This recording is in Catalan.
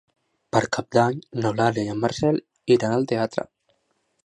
Per Cap d'Any n'Eulàlia i en Marcel iran al teatre.